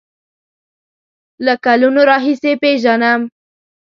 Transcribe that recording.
له کلونو راهیسې پیژنم.